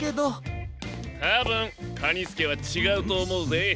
たぶんカニスケはちがうとおもうぜ。